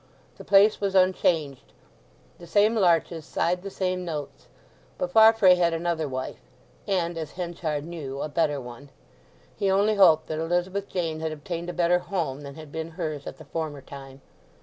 The place was unchanged; the same larches sighed the same notes; but Farfrae had another wife—and, as Henchard knew, a better one. He only hoped that Elizabeth Jane had obtained a better home than had been hers at the former time.